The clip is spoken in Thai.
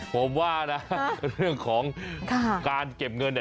ผมว่านะเรื่องของการเก็บเงินเนี่ย